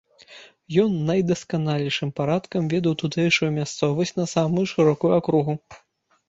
Ён найдасканалейшым парадкам ведаў тутэйшую мясцовасць на самую шырокую акругу.